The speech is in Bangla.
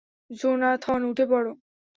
জোনাথন, উঠে পড়ো!